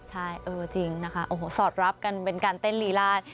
ใช่เออจริงนะคะโอ้โหสอดรับกันเป็นการเต้นลีลาด